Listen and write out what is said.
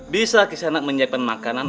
bisa kisah anak menyiapkan makanan